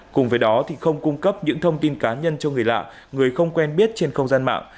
cùng với đó thì không cung cấp những thông tin cá nhân cho người lạ người không quen biết trên không gian mạng